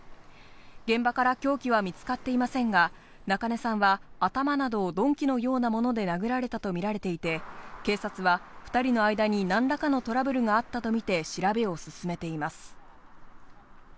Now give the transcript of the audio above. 現場から凶器は見つかっていませんが、中根さんは頭などを鈍器のようなもので殴られたとみられていて、警察は二人の間に何らかのトラブルがあったとみて調べを進めています。